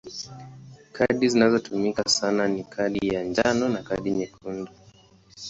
Kadi zinazotumika sana ni kadi ya njano na kadi nyekundu.